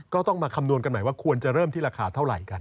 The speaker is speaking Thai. ก็ต้องมาคำนวณกันหน่อยว่าควรจะเริ่มที่ราคาเท่าไหร่กัน